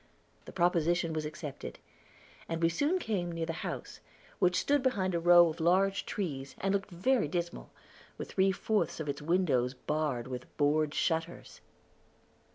The proposition was accepted, and we soon came near the house, which stood behind a row of large trees, and looked very dismal, with three fourths of its windows barred with board shutters.